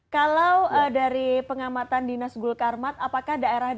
kalau dari pengamatan dinas gul karmat apakah daerah